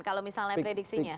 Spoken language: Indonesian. kalau misalnya prediksinya